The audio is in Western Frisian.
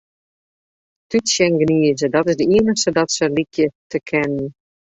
Tútsje en gnize, dat is it iennichste dat se lykje te kinnen.